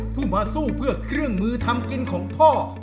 ผู้มาสู้เพื่อเครื่องมือทำกินของพ่อ